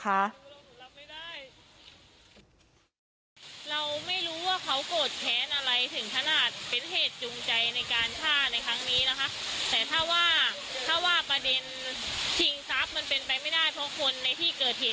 เราไม่รู้ว่าเขาโกรธแท้นอะไรถึงขนาดเป็นเหตุจูงใจในการท่าในครั้งนี้นะคะ